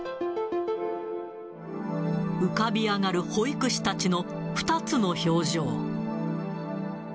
浮かび上がる保育士たちの２つの表情。